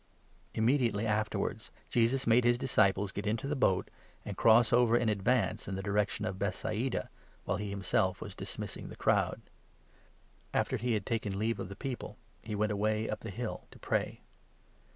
Immediately afterwards Jesus made his dis 45 walks on the ciples get into the boat, and cross over in advance, water. jn tne direction of Bethsaida, while he himself was dismissing the crowd. After he had taken leave of the people, 46 he went away up the hill to pray.